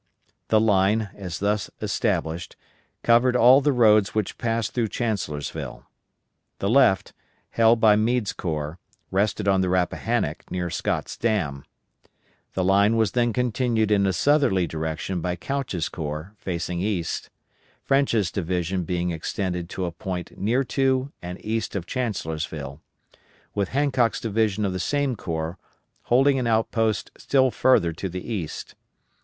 The line, as thus established, covered all the roads which passed through Chancellorsville. The left, held by Meade's corps, rested on the Rappahannock, near Scott's Dam; the line was then continued in a southerly direction by Couch's corps, facing east, French's division being extended to a point near to and east of Chancellorsville, with Hancock's division of the same corps holding an outpost still further to the east.